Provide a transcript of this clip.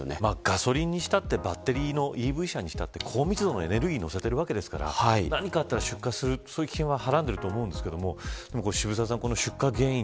ガソリンにしたってバッテリーのＥＶ車にしたって高密度のエネルギーを載せているので何かあったら出火するそういった危険をはらんでいると思います。